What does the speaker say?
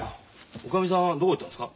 おかみさんはどこ行ったんですか？